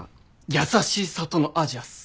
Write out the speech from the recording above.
「優しい里の亜細亜」っす。